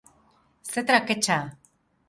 Ze traketsa!